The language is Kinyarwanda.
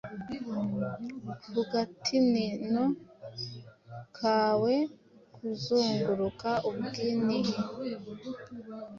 ku gatinino kawe Kuzunguruka Ubwinhi,